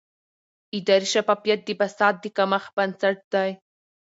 اداري شفافیت د فساد د کمښت بنسټ دی